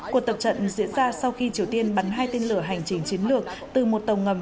cuộc tập trận diễn ra sau khi triều tiên bắn hai tên lửa hành trình chiến lược từ một tàu ngầm